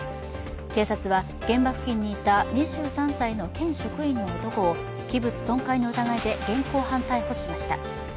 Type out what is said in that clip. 警察は現場付近にいた２３歳の県職員の男を器物損壊の疑いで現行犯逮捕しました。